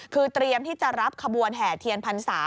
คือเตรียมที่จะรับขบวนแห่เทียนพรรษา